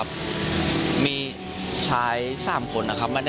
รถแสงทางหน้า